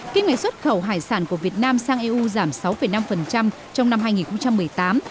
kinh ngạch xuất khẩu hải sản của việt nam sang eu giảm sáu năm trong năm hai nghìn một mươi tám